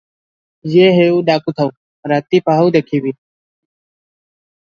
ଯିଏ ହେଉ ଡାକୁଥାଉ, ରାତି ପାହୁ ଦେଖିବି ।